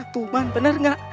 tuman bener gak